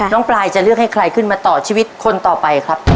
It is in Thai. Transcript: ปลายจะเลือกให้ใครขึ้นมาต่อชีวิตคนต่อไปครับ